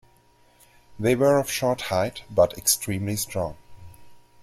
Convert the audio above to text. They were of short height but extremely strong.